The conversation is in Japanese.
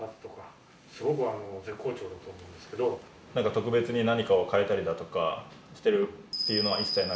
特別に何かを変えたりだとかしてるっていうのは一切なく。